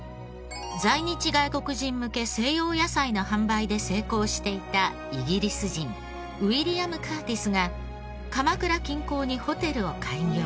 在日外国人向け西洋野菜の販売で成功していたイギリス人ウィリアム・カーティスが鎌倉近郊にホテルを開業。